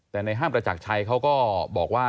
แต่ในห้างประจักรชัยเขาก็บอกว่า